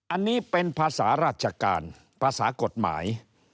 อันนี้เป็นภาษาราชการภาษากฎหมาย